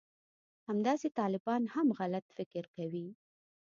همداسې طالبان هم غلط فکر کوي